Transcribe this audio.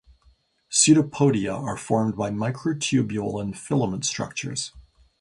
Pseudopodia are formed by microtubule and filament structures.